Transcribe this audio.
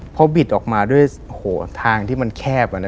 พอบิดออกมาด้วยทางที่มันแคบ